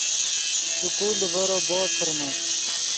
سکول لیڤور بود ڤرمے